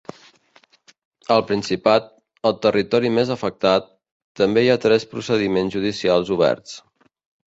Al Principat, el territori més afectat, també hi ha tres procediments judicials oberts.